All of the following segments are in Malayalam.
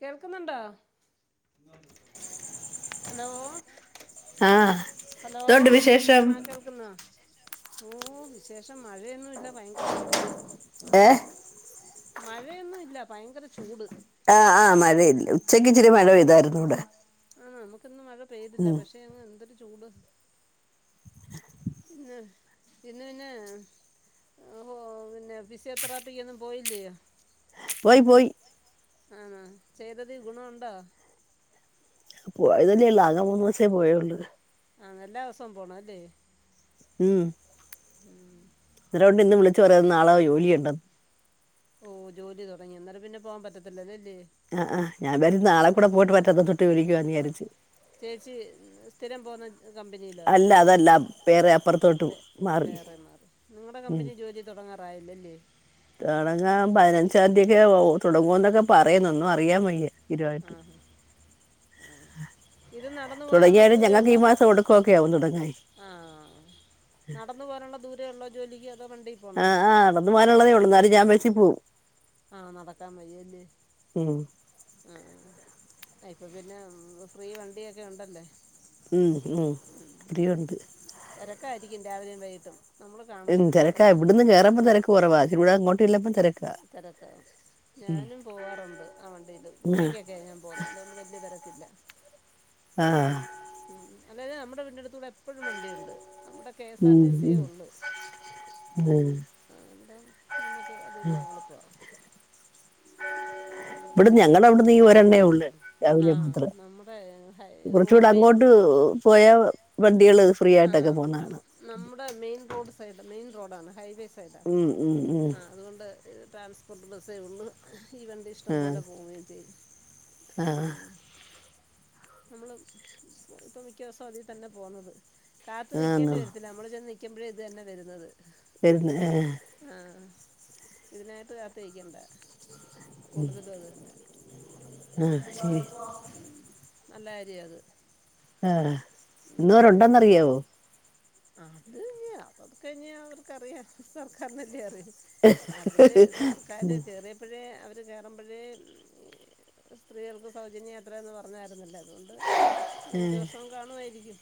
കേൾക്കുന്നുണ്ടോ ഹലോ ആഹ് ഹലോ എന്തുണ്ട് വിശേഷം ആ കേ ഓ വിശേഷം മഴയൊന്നുംല്ല ഭയങ്കര ചൂട് ഏഹ് മഴയൊന്നും ല്ല ഭയങ്കര ചൂട് ആഹ് ആഹ് മഴയില്ല ഉച്ചക്ക് ഇച്ചിരി മഴ പെയ്തായിരുന്നു ഇടെ ആ നമ്മുക്കൊന്നും മഴ പെയ്തില്ല പക്ഷെ എന്തൊരു ചൂട് ആഹ് ഇന്ന് പിന്നെ ആഹോ പിന്നെ ഫിസിയോതെറാപ്പി ഒന്നും പോയില്ലോ പോയി പോയി ആണോ ചെയ്തതി ഗുണ ഒണ്ടോ? പോയതന്നെ ഇല്ലാ ആകെ മൂന്ന് മാസേ പോയോള്ളൂ. ആഹ് എല്ലാ ദിവസോം പോണം അല്ലേ. ഉം, ഇതുകൊണ്ട് ഇന്ന് വിളിച്ചു പറയും നാളെ ജോലിയുണ്ടെന്ന് ഓഹ് ജോലി തുടങ്ങി അന്നേരം പിന്നെ പോകാൻ പറ്റത്തില്ലല്ലേ ഇല്ലേ അ ആഹ്, ഞാൻ വരെ നാളെ കൂടെ പോയിട്ട് മറ്റന്ന തൊട്ട് വിളിക്കുവാന്ന് വിചാരിച്ച് ചേച്ചി സ്ഥിരം പോവ്ന്ന കമ്പനിയിലോ അല്ല ജോലി, അതല്ല വേറെ അപ്പുറത്തോട്ട് അതെ മാറി വേറെ മാറി നിങ്ങടെ കമ്പനി ജോലി തുടങ്ങാറായല്ലേ അല്ലേ തൊടങ്ങാൻ പതിനഞ്ചാം തീയക്കെ [unintelligible] തുടങ്ങുവ എന്നൊക്കെ പറയുന്നു ഒന്നും അറിയാൻ വയ്യ ആ ഇരുവായിട്ട് ഇത് നടന്നു പോകാനുള്ള തുടങ്ങിയാലും ഞങ്ങക്ക് ഈ മാസം ഒടുക്കുവൊക്കെ ആവും തുടങ്ങാന് ആഹ് നടന്ന് പോവാനുള്ള ദൂരേ ഒള്ളോ ജോലിക്ക് അതോ വണ്ടി ആഹ് ആഹ് നടന്ന് പോകാനുള്ളതേ ഉള്ളൂ, എന്നാലും ഞാൻ ബസ്സി പോവും ആഹ് നടക്കാൻ വയ്യല്ലേ ഉം ആഹ് ട്ടയ് [unintelligible] പിന്നെം ഫ്രീ വണ്ടിയൊക്കെ ഉണ്ടല്ലേ ഉം ഉം ഫ്രീ ഉണ്ട്. തെരക്കായിരിക്കും രാവിലെയും വൈകിട്ടും നമ്മൾ കാണും [unintelligible] തെരക്കാ തിരക്ക് ഇവിടന്ന് കെയറമ്പം തെരക്ക് കൊറവാ, ഇവടെ അങ്ങോട്ട് ഇള്ളപ്പം തെരക്കാ ഞാനും പോവാറുണ്ട് ആ വണ്ടില് ആഹ് ഉച്ചക്കൊക്കെ ഞാൻ പോന്നെ അതോണ്ട് വെല്ല്യ തെരക്കില്ല. ആഹ് ഉം അല്ലാതെ നമ്മുടെ വീടിന്റെ എടുത്തൂടെ എപ്പഴും വണ്ടി ഉണ്ട് നമ്മുടെ കെ എസ് ആർ ഉം ടി സിയെ ഉം ഒള്ള് ഉം ആഹ്, എന്നെന്താ നമ്മുക്ക് അത് ഇപ്പൊ എളുപ്പ. ഉം ഇവിടന്ന് ഞങ്ങളെ അവിടന്ന് ഈ ദൂരെന്നെ ഒള്ള ആ രാവിലെ മാത്രം, നമ്മുടെ ഹൈ കുറച്ചു റോ കൂടെ മെയിൻ അങ്ങോട്ട് പോയ വണ്ടികള് ഫ്രീ ആയിട്ടൊക്കെ ആഹ് പോന്ന കാണാം നമ്മുടെ മെയിൻ റോഡ് സൈഡ് മെയിൻ റോഡാണ് ഹൈവേ സൈഡാണ് ഉം ഉം ഉം ആ അതുകൊണ്ട് ട്രാൻസ്പോർട്ട് ബസ്സേ ഉള്ളൂ. ഈ വണ്ടി ഇഷ്ടം ആഹ് പോലെ പോവുകയും ചെയ്യും ആഹ് ഉം നമ്മള് പൊ ഇപ്പ മിക്ക ദിവസം അതിൽ തന്നെ പോന്നത്. കാത്തു നിക്കേണ്ടി ആന്നോ വരത്തില്ല നമ്മള് ചെന്ന് നിൽക്കുമ്പഴെ ഇത് തന്നെ വരുന്നത്. തന്നെ, ഏഹ് ആഹ് ഇതിനായിട്ട് കാത്ത് നിക്കണ്ട. കൂടുതലും അത് തന്നെ ആഹ് ശരി ഉം നല്ല കാര്യ അത് ആഹ് ഇന്നവരുണ്ടെന്നറിയോ ആഹ് അത് ഇയ്യ അപ്പൊ അതൊക്കെ കഴിഞ്ഞ് അവർക്കറിയാ സർക്കാരിനല്ലേ അറിയു അവര് സർക്കാര് കേറിയ- പ്പോഴേ അവര് കയറുമ്പഴേ സ്ത്രീകൾക്ക് സൗജന്യം യാത്രയെന്ന് പറഞ്ഞായിരുന്നല്ലോ. അതുകൊണ്ട് ഈ അഞ്ച് വർഷോം കാണുവായിരിക്കും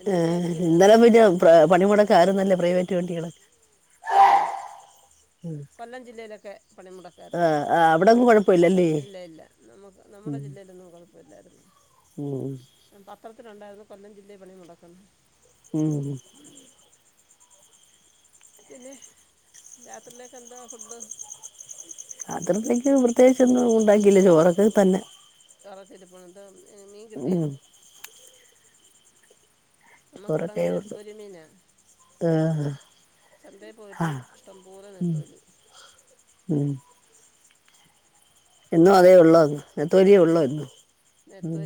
എന്ന് വിചാരി ആഹ് ഇന്നലെ പിന്നെ പ്ര പണിമുടക്കായിരുന്നല്ലോ പ്രൈവറ്റ് വണ്ടികള് ആഹ്, കൊല്ലം ജില്ലയിലൊക്കെ പണിമുടക്കായിരുന്നു. ആഹ് ആഹ് അവിടൊന്നും കൊഴപ്പല്ലല്ലേ ഇല്ല ഇല്ല നമ്മുക്ക് നമ്മുടെ ജില്ലയിലൊന്നും കൊഴപ്പമില്ലായിരുന്ന്. ഉം ഉം പത്രത്തിലുണ്ടായിരുന്നു കൊല്ലം ജില്ലയിൽ പണി മുടക്കന്ന് ഉം പിന്നെ രാത്രിയിലേക്ക് എന്താ ഫുഡ്? രാത്രിത്തേക്ക് പ്രത്യേകിച്ചൊന്നും ഉണ്ടാക്കില്ല ചോറൊക്കെ തന്നെ. ചോറൊക്കെ ഇരുപ്പൊണ്ടോ എന്താ മ മീൻ കിട്ടിയാ? ഉം നമ്മുക്ക് ഇവിടങ്ങ് ചോറൊക്കെ ഉള്ളു നെത്തോലി മീനാ. ആഹ് ച ന്തേപോയിട്ടും ആഹ് ഇഷ്ടംപോലെ നെത്തോലി. ഉം. എന്നും അതേ ഒള്ളോ ആ നെത്തോലിയെ ഒള്ളോ എന്നും ഉം.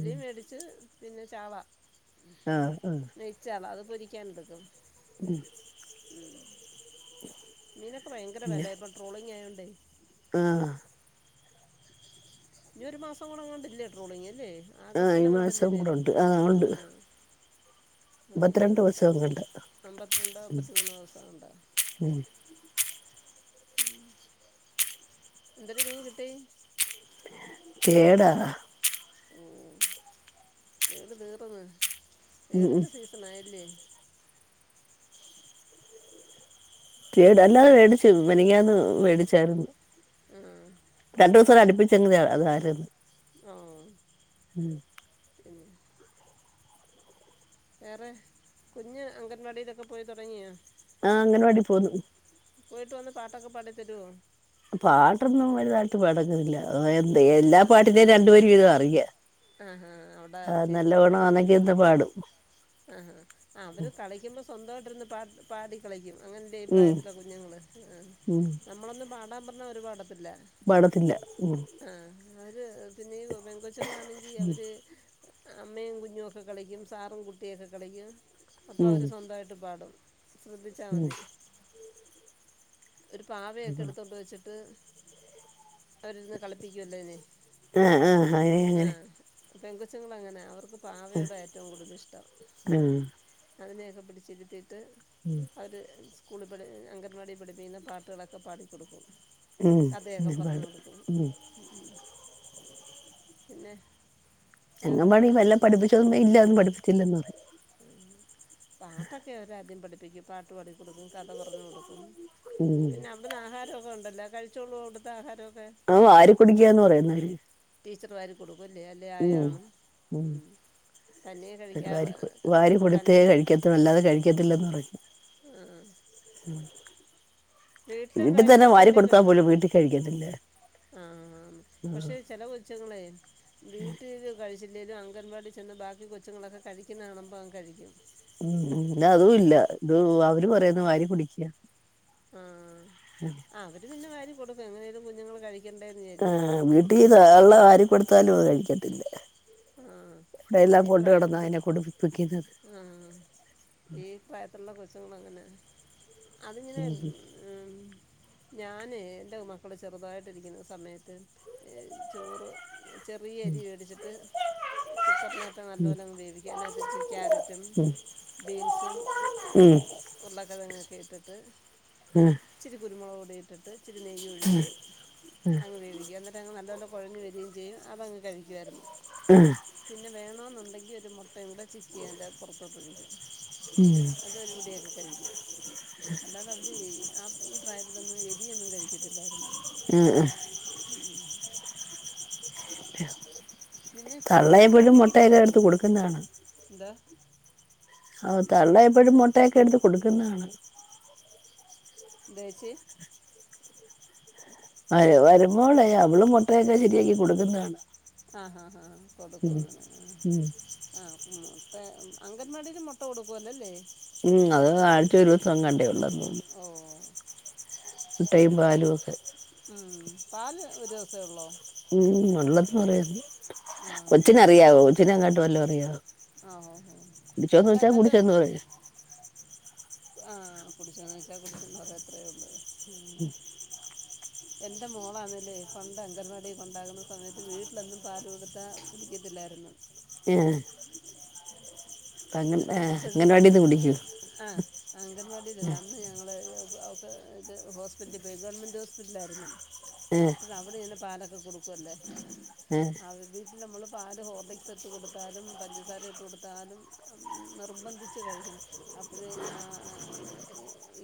ച്ച് പിന്നെ ചാള. ആഹ് ആഹ്. നെയ്ച്ചാള അത് പൊരിക്കാൻ എടുക്കും. ഉം. ഉം. [inaudible] മീനൊക്കെ ഭയങ്കര വെല ഇപ്പൊ ട്രോളിംഗ് ആയോണ്ടേ. ആഹ്. ഇനി ഒരു മാസം കൂടി എങ്ങാണ്ട് ഇല്ലേ ട്രോളിങ് അല്ലേ? ആഹ് ആഗസ്റ്റിൽ ഈ എങ്ങാണ്ട് അല്ലേ മാസം കൂടെ തീരു ഉണ്ട് ഉണ്ട് ആഹ്. അത് മുപ്പത്തിരണ്ട് ദിവസം എങ്ങാണ്ട് അമ്പത്തിരണ്ടോ അമ്പത്തിമൂന്നോ ദിവസം എങ്ങാണ്ട. ഉം. ഉം. എന്തരു മീൻ കിട്ടി? കെടാടാ. ഓഹ് തേടു തീർന്ന് ഉം ഉം തേടിന്റെ സീസൺ ആയല്ലേ? തേഡ് പിന്നെ അല്ലാതെ മേടിച്ചു മിനിഞ്ഞാന്ന് മേടിച്ചായിരുന്നു. രണ്ടു ദിവസം വരെ അടുപ്പിച്ചങ്ങ് അതായിരുന്ന് ഉം. എന്നാ. വേറെ കുഞ്ഞ് അംഗൻവാടിയിലൊക്കെ പോയി തുടങ്ങിയോ? ആഹ് അംഗനവാടി പോന്ന്. പോയിട്ട് വന്ന് പാട്ടൊക്കെ പാടി തരുവോ? പാട്ടൊന്നും വലുതായിട്ട് പാടങ്ങുന്നില്ല എ എല്ലാ പാട്ടിന്റെയും രണ്ടു വരി വീതം അറിയാം. ആഹാ അവിടെ ആഹ് നല്ലവണം ആണെങ്കി എന്ത് പാടും. ആഹ് ആഹ് അവര് കളിക്കുമ്പോൾ സ്വന്തമായിട്ടിരുന്ന് പാടും പാടി കളിക്കും അങ്ങനെ അല്ലെ ഈ ഉം പ്രായത്തിലുള്ള കുഞ്ഞുങ്ങള് ആഹ് ഉം നമ്മളൊന്ന് പാടാൻ പറഞ്ഞാൽ ഒരുപാട പാടത്തില്ല ഉം. ആഹ് അവര് പിന്നെ പേങ്കോച്ചുങ്ങളാണെങ്കിൽ അവര് അമ്മയും കുഞ്ഞുമൊക്കെ കളിക്കും സാറും കുട്ടിയൊക്കെ കളിക്കും. അപ്പൊ ഉം അവര് സ്വന്തമായിട്ട് പാടും ശ്രദ്ധിച്ചാ ഉം മതി. ഒരു പാവയൊക്കെ എടുത്തോണ്ട് വെച്ചിട്ട് അവരിരുന്ന് കളിപ്പിക്കുവല്ലോ അതിനെ. ആഹ് ആഹ് ആയിന് അങ്ങനെ. പെങ്കോച്ചുങ്ങള് അങ്ങനാ അവർക്ക് പാവയോടാ ഏറ്റവും കൂടുതൽ ഇഷ്ടം. ഉം. അതിനെയൊക്കെ പിടിച്ചിരുത്തിട്ട്. ഉം. അവര് സ്കൂളി പഠിക്കുന്ന അംഗൻവാടിയിൽ പഠിപ്പിക്കുന്ന പാട്ടുകളൊക്കെ പാടിക്കൊടുക്കും. ഉം കഥയൊക്കെ അങ്ങനെ പറഞ്ഞു പാടും കൊടുക്കും. ഉം പിന്നെ. വേറെന്താ അംഗൻവാടി വല്ലോം പഠിപ്പിച്ചോന്ന് ഇല്ല ഒന്നും പഠിപ്പിച്ചില്ലന്ന് പറയും. പാട്ടൊക്കെ അവരാദ്യം പഠിപ്പിക്കും പാട്ട് പാടികൊടുക്കും കഥ പറഞ്ഞു കൊടുക്കും. ഉം പിന്നെ അവിടുന്ന് ആഹാരമൊക്കെ ഉണ്ടല്ലോ കഴിച്ചോളൂവോ അവിടുത്തെ ആഹാരമൊക്കെ. ആഹ് വാരി കുടിക്കുകാന്ന് പറയുന്നര്. ടീച്ചറ് വാരി കൊടുക്കു അല്ലേ അല്ലേ ആയ ആണോ ഉം തന്നെ കഴിക്കാറ്. തൻ വാരികൊടുത്തേ കഴിക്കത്തു അല്ലാതെ കഴിക്കത്തില്ലെന്ന് പറയും ആ വീട്ടി തന്നെ വാരി കൊടുത്താ പോലും വീട്ടിൽ കഴിക്കത്തില്ല. ആഹ് പക്ഷെ ചെല കൊച്ചങ്ങളെ വീട്ടില് കഴിച്ചില്ലേലും അംഗൻവാടി ചെന്ന് ബാക്കി കൊച്ചുങ്ങളൊക്കെ കഴിക്കുന്നത് കാണുമ്പോ അവൻ കഴിക്കും. ഇത് അതൂല്ല. ഇത് അവര് പറയുന്ന വാരി കുടിക്കയാ ആഹ് [unintelligible] അവര് പിന്നെ വാരി കൊടുക്കും. അങ്ങനേലും കുഞ്ഞുങ്ങള് കഴിക്കും ആഹ് വീട്ടിന്ന് ആള വാരി കൊടുത്താലും അത് കഴിക്കത്തില്ല. ആ വിടെ എല്ലാം കൊണ്ട് നടന്ന അയിനെ കൊടുപ്പിക്കുന്നത് ആഹ് ഈ പ്രായത്തിലുള്ള കൊച്ചുങ്ങളങ്ങനെ. അതിങ്ങനെ ഉം ഞാന് എൻ്റെ മക്കള് ചെറുതായിട്ടിരിക്കുന്ന സമയത്ത് ഏഹ് ചോറ് ചെറിയ അരി വേടിച്ചിട്ട് കുക്കറിനകത്ത് നല്ല പോലെയങ്ങ് വേവിക്ക. അതിനകത്ത് വെച്ച് ക്യാരറ്റും ബീൻസും ഉം ഉരുളക്കിഴങ്ങൊക്കെ ഇട്ടിട്ട് ആഹ് ഇച്ചിരി കുരുമുളക് കൂടിട്ടിട്ട് ഇച്ചിരി നെയ്യ് ഒഴിച്ച് അങ്ങ് വേവിക്ക എന്നി ടഅങ്ങ് നല്ല പോലെ കൊഴഞ്ഞ് വരികയും ചെയ്യും അതങ്ങ് കഴിക്കുമായിരുന്നു. ആഹ് പിന്നെ വേണോന്നുണ്ടെങ്കി ഒരു മുട്ടയും കൂടെ ചിക്കി അയിന്റെ പുറത്തോട്ട് ഒഴിക്കും. ഉം അതൊരുപിടിയൊക്കെ കഴിക്കും. അല്ലാതെ അവര് ആ ഈ പ്രായത്തിലൊന്നും എരിയൊന്നും കഴിക്കത്തില്ലായിരുന്നു. ആഹ് ആഹ് ഉം പിന്നെ ചിക്കനൊക്കെ ഉണ്ടെങ്കി ചോറ് കഴിക്കും. ആഹ് ന്താ ഓഹ് തള്ള എപ്പഴും മൊട്ടയൊക്കെ എടുത്ത് കൊടുക്കുന്ന കാണാം. എന്തേച്ചി മരു മരുമോളെ അവളും മൊട്ടയൊക്കെ ചിക്കി ചിക്കി കൊടുക്കുന്ന കാണാം. ആഹ് ഹാ ഹാ കൊടുക്കും അങ്ങനെ. ഉം ആഹ് ആഹ് ഇപ്പ അംഗൻവാടീല് മൊട്ട കൊടുക്കു ഒല്ലല്ലേ? ഉം അത് ആഴ്ച ഒരു ദിവസം എങ്ങാണ്ടെയുള്ളെന്ന്. ഓഹ് മൊട്ടയും പാലും ഒക്കെ ഉം പാല് ഒര് ദിവസേ ഒള്ളോ? ഉം ഒള്ളതും പറയാ ആ കൊച്ചിന് അറിയാവോ? കൊച്ചിനെങ്ങാട്ടും വല്ലോ അറിയാവോ ആ ഓ ഓ കുടിച്ചോന്ന് അല്ല ചോയിച്ചാ എന്നാലും കുടിച്ചന്ന് പറയും. ആഹ് കുടിച്ചോന്ന് ചോയ്ച്ചാ കുടിച്ചന്ന് പറയും. അത്രേഒള്ളൂ എൻ്റെ മോളാണല്ലേ പണ്ട് അംഗൻവാടി കൊണ്ടാകുന്ന സമയത്ത് വീട്ടിലൊന്നും പാല് കൊടുത്താൽ കുടിക്കത്തില്ലായിരുന്നു. ഏഹ് അങ്ങ ഏഹ് അപ്പഴ് അംഗൻവാടിന്ന് കുടിക്കും ആഹ് അംഗൻവാടി ഇതെല്ലാം ഞങ്ങള് അവക്ക് ത് ഹോസ്പിറ്റലി പോയി ഗവണ്മെന്റ് ഹോസ്പിറ്റൽ ആയിരുന്നു ഏഹ് അപ്പൊയ് അ അവിടന്ന് പാലൊക്കെ കൊടുക്കു അല്ലേ ഏഹ് അവര് നമ്മള് പാല് ഹോർലിക്സ് ഇട്ട് കൊടുത്താലും പഞ്ചസാര ഇട്ട് കൊടുത്താലും നിർബന്ധിച്ച് കഴിക്കണം അപ്പഴേ ആഹ്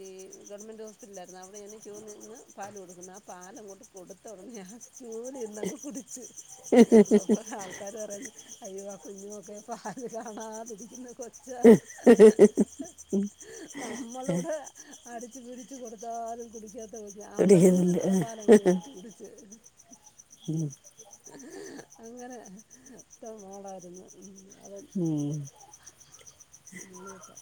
ഈ ഗവൺമെൻറ് ഹോസ്പിറ്റലായിരുന്നു അവിടെന്ന് ക്യൂ നിന്ന് പാല് കൊടുക്കുന്നെ. ആ പാലങ്ങോട്ട് കൊടുത്ത ഉടനെ ആഹ് ക്യൂല് നിന്നങ്ങ് കുടിച്ച്. അപ്പ ആൾക്കാര് പറയുന്നു അയ്യോ ആ കുഞ്ഞുമൊക്കെ പാല് കാണാതിരിക്കുന്ന കൊച്ചാ. [unintelligible] നമ്മളിവിടെ അടിച്ചു പിടിച്ചു കൊടുത്താലും കുടിക്കാത്ത കുഞ്ഞാ അവിടെ നിന്ന് കുടിക്കുന്നില്ല ആ പാലങ്ങ് മേടിച്ചു കുടി ച്ച് ഉം അങ്ങനത്ത മോളായിരുന്നു ഉം അത് ഉം മൂളിയപ്പാ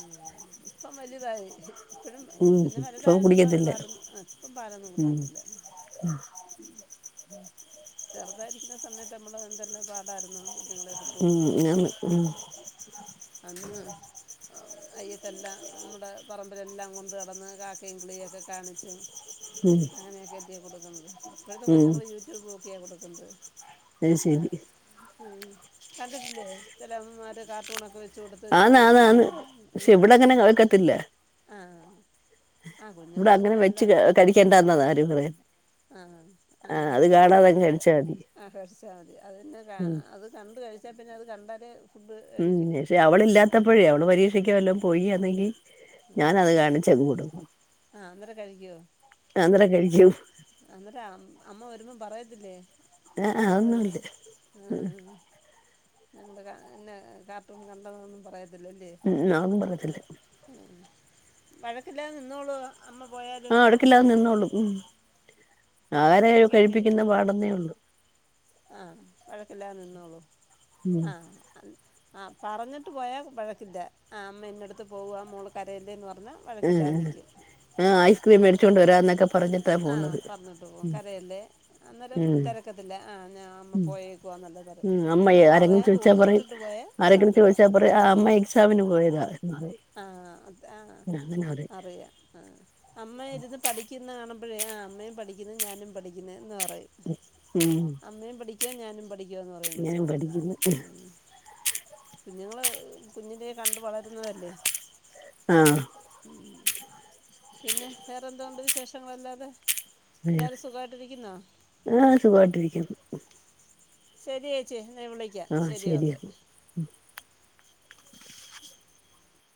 ആഹ് ഇപ്പം വലുതായി ഇപ്പഴും ഉം പിന്നെ ഇപ്പൊ വലുതായൊണ്ട് ഇപ്പോ അവര് കുടിക്കത്തില്ല പാലൊന്നും ഇപ്പ പാലൊന്നും ഉം കുടിക്കത്തില്ല ഉം ചെറുതായിരിക്കുന്ന സമയത്ത് നമ്മൾ എന്തെല്ലാം പാടായിരുന്നു കുഞ്ഞുങ്ങളെ ഫുഡ് ഉം കൊടുക്കാൻ ആന്ന് ഉം അന്ന് അയ്യത്തെല്ലാം നമ്മുടെ പറമ്പിലെല്ലാം കൊണ്ട് നടന്ന് കാക്കേം കിളിയെക്കെ കാണിച്ചും ഉം അങ്ങനെയൊക്കെയല്ലേ കൊടുക്കുന്നത് ഇപ്പോഴത്തെ ഉം കൊച്ചുങ്ങള് യൂട്യൂബ് നോക്കിയാ കൊടുക്കുന്നത് അയ്ശേരി ആഹ് കണ്ടിട്ടില്ലേ ചില അമ്മമാര് കാർട്ടൂണോക്കെ വെച്ച് കൊടുത്ത് ആന്ന് ചോറ് ആന്ന് ആന്ന് തീറ്റിക്കുന്ന് പക്ഷെ ഇവിടെ അങ്ങനെ വാക്കത്തില്ല ആഹ് ഇവിടെ അങ്ങനെ വെച്ച് കഴിക്കേണ്ടന്ന [unintelligible] ആഹ് അങ്ങനെ കഴിക്കണ്ട കാര്യം ഇല്ല കഴിച്ചാ മതി ആഹ് കഴിച്ചാൽ മതി അത് പിന്നെ ഉം അത് കണ്ട് കഴിച്ചാൽ പിന്നെ അത് കണ്ടാലെ ഉം പക്ഷെ അവളില്ലാത്തപ്പോഴേ അവള് പരീക്ഷക്ക വല്ലാം പോയിയാന്നെങ്കി ആ ഞാൻ അത് കാണിച്ചാങ്ങ് കൊടുക്കും ആ അന്നേരം കഴിക്കുമോ അന്നേരം കഴിക്കും അന്നേരം അമ്മ വരുമ്പോം പറയത്തില്ലേ ആഹ് ഞങ്ങള് അതൊന്നുല്ല ആഹ് ഞങ്ങള് കാ എന്ന കാർട്ടൂൺ കണ്ടതൊന്നും പറയത്തില്ല അല്ലെ ഉം അതൊന്നും പറയത്തില്ല ഉം വഴക്കില്ലാതെ നിന്നോളൂവോ അമ്മ പോയാലും ക്കില്ലാതെ നിന്നോളും ഉം ആഹാരം കഴിപ്പിക്കുന്ന പാട് ഒന്നേയുള്ളു ആഹ് വഴക്കില്ലാതെ നിന്നോളും ഉം ആഹ് അ ആഹ് പറഞ്ഞിട്ട് പോയാൽ വഴക്കില്ല ആഹ് അമ്മ ഇന്നടുത്തു പോകുവാ മോള് കരയല്ലേന്ന് പറഞ്ഞ ഉം ഉം ആഹ് ഐസ്ക്രീം മേടിച്ചുകൊണ്ട് വരാന്നൊക്കെ പറഞ്ഞ ആഹ് പറഞ്ഞിട്ട് പോകും കരയല്ലേ അന്നേരം ഉം തിരക്കത്തില്ല ആഹ് ഞാ അമ്മ പോയെ ക്കുവാന്നെല്ലാം പറയും ഉം നമ്മള് അമ്മയെ ആരെങ്കിലും പറയാതെ ചോദിച്ചാ പറയും ഒളിച്ചിട്ടിട്ട് പോയാ ആരെങ്കിലും സങ്കടവ ചോദിച്ചാ അമ്മ എക്സാമിന് പോയതാ എന്ന് പറയും ആഹ് അതാ അങ്ങനെ പറയും അറിയാം ആഹ് അമ്മ ഇരുന്ന് പഠിക്കുന്ന കാണ് മ്പഴേ ആഹ് അമ്മയും പഠിക്കുന്ന് ഞാനും പഠിക്കുന്ന് എന്ന് പറയും ഉം അമ്മയും പഠിക്ക ഞാനും പ ഠിക്കുവാന്ന് പറയും ഇങ്ങനെ കൊച്ചുങ്ങള് പഠിക്കുന്നു ഉം കുഞ്ഞുങ്ങള് കുഞ്ഞിലെ കണ്ട് വളരുന്നതല്ലേ ആഹ് ഉം പിന്നെ വേറെ എന്തോ ഒണ്ട് വിശേഷങ്ങളല്ലാതെ എല്ലാവാരും സുഖമായിട്ട് ഇരിക്കുന്നോ ആഹ് സുഖായിട്ടിരിക്കുന്നു ശരി ചേച്ചി എന്ന വിളിക്കാം ആ ശരി ഓക്കെ ശരിയെന്നാ